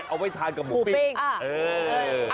เอาไว้ทานกับหมูปิ้ง